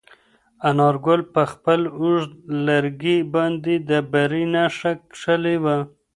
انارګل په خپل اوږد لرګي باندې د بري نښه کښلې وه.